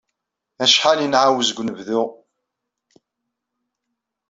Acḥal i nɛawez deg unebdu.